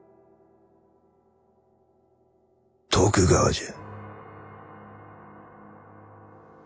徳川じゃ。